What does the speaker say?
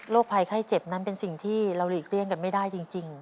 ภัยไข้เจ็บนั้นเป็นสิ่งที่เราหลีกเลี่ยงกันไม่ได้จริง